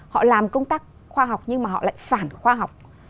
họ làm công tác khoa học nhưng mà họ lại phản khoa học